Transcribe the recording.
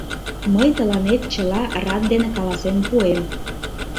Мый тыланет чыла рад дене каласен пуэм.